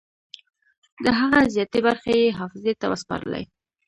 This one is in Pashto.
د هغه زیاتې برخې یې حافظې ته وسپارلې.